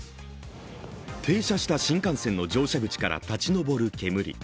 停車した新幹線の乗車口から、立ち上る煙。